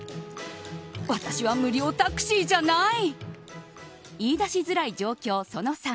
私は無料タクシーじゃない！